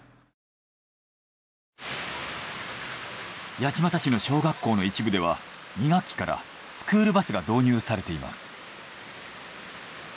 八街市の小学校の一部では２学期からスクールバスが導入されています。